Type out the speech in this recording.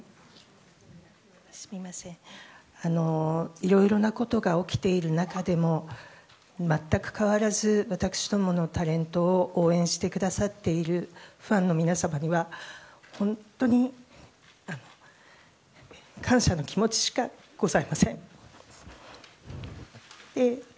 いろいろなことが起きている中でも全く変わらず、私共のタレントを応援してくださっているファンの皆様には本当に感謝の気持ちしかございません。